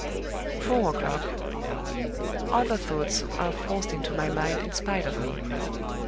"Four o'clock. Other thoughts are forced into my mind in spite of me.